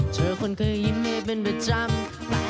เจอคนขดยิมให้เป็นประจำ